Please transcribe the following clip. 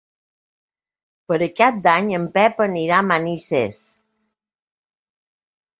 Per Cap d'Any en Pep anirà a Manises.